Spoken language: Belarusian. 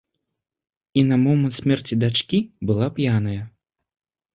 І на момант смерці дачкі была п'яная.